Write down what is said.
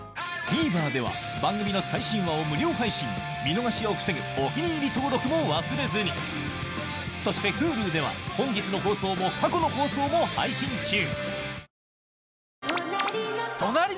ＴＶｅｒでは番組の最新話を無料配信見逃しを防ぐ「お気に入り」登録も忘れずにそしてＨｕｌｕでは本日の放送も過去の放送も配信中